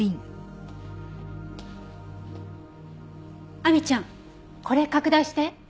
亜美ちゃんこれ拡大して。